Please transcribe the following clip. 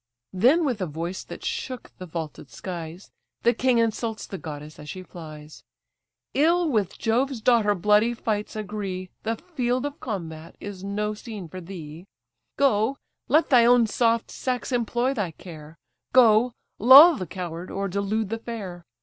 Then with a voice that shook the vaulted skies, The king insults the goddess as she flies: "Ill with Jove's daughter bloody fights agree, The field of combat is no scene for thee: Go, let thy own soft sex employ thy care, Go, lull the coward, or delude the fair.